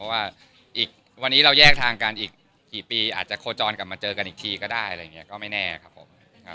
ว่าอีกวันนี้เราแยกทางกันอีกกี่ปีอาจจะโคจรกลับมาเจอกันอีกทีก็ได้อะไรอย่างนี้ก็ไม่แน่ครับผม